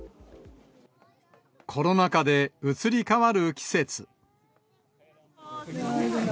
コロナ禍で移り変わる季節。